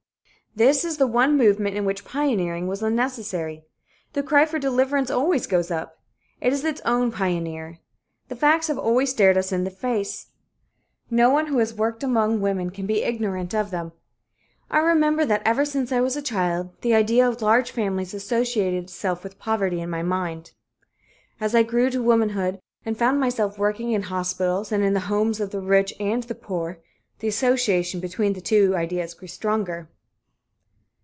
This is the one movement in which pioneering was unnecessary. The cry for deliverance always goes up. It is its own pioneer. The facts have always stared us in the face. No one who has worked among women can be ignorant of them. I remember that ever since I was a child, the idea of large families associated itself with poverty in my mind. As I grew to womanhood, and found myself working in hospitals and in the homes of the rich and the poor, the association between the two ideas grew stronger.